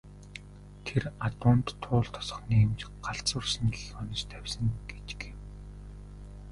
Тэр адуунд Туул тосгоны эмч "галзуурсан" гэх онош тавьсан гэж гэв.